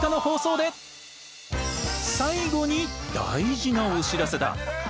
最後に大事なお知らせだ。